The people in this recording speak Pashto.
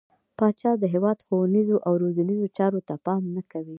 پاچا د هيواد ښونيرو او روزنيزو چارو ته پام نه کوي.